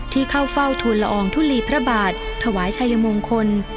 ที่เข้าเฝ้าทุนละอองทุลีพระบาทถวายชายมงคล